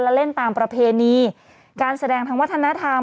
และเล่นตามประเพณีการแสดงทางวัฒนธรรม